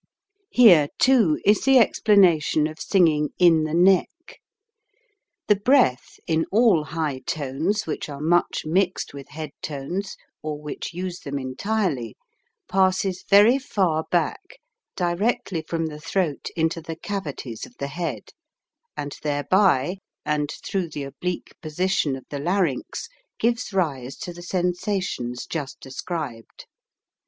(See plate.) Here, too, is the explanation of singing in the neck. The breath, in all high tones which are much mixed with head tones or which use them entirely, passes very far back, directly from the throat into the cavities of the head, and thereby, and through the oblique position of the larynx, gives rise to the sensa tions just described.